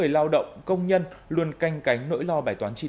là khoảng bốn lượt khách một ngày